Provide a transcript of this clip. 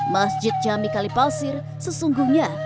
masjid jami kalipasir sesungguhnya